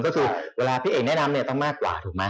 ก็คือเวลาพี่เอกแนะนำเนี่ยต้องมากกว่าถูกไหม